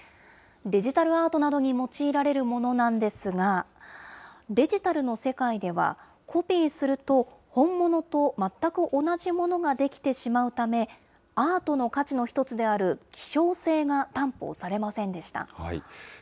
デジタルアートなどに用いられるものなんですが、デジタルの世界では、コピーすると本物と全く同じものが出来てしまうため、アートの価値の一つである希少性が担保されませんでした。